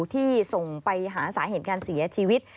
ที่ส่งไปหาสาเหตุการเสียชีวิต